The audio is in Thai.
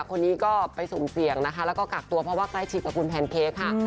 คนนี้ก็ไปสูมเสี่ยงนะแล้วกากตัวเพราะว่าใกล้ฉีกกระกูลแคร์เค๊กค่ะ